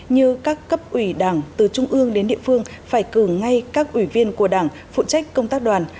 như các cấp ủy đảng từ trung ương đến địa phương phải cử ngay các ủy viên của đảng phụ trách công tác đoàn